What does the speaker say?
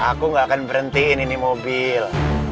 aku gak akan berhentiin ini mobil